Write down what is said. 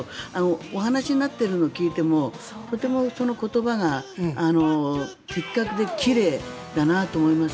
お話になっているのを聞いてもとても言葉が的確で奇麗だなと思います。